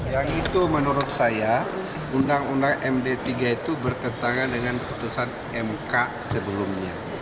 yang itu menurut saya undang undang md tiga itu bertentangan dengan putusan mk sebelumnya